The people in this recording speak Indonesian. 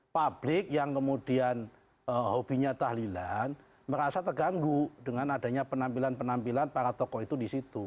publik yang kemudian hobinya tahlilan merasa terganggu dengan adanya penampilan penampilan para tokoh itu di situ